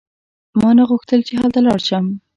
ما ته غوښتل چې هلته لاړ شم.